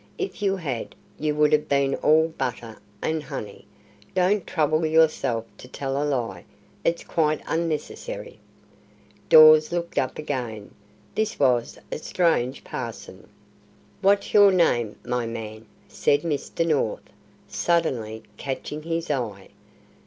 "If you had, you would have been all butter and honey. Don't trouble yourself to tell a lie; it's quite unnecessary." Dawes looked up again. This was a strange parson. "What's your name, my man?" said Mr. North, suddenly, catching his eye.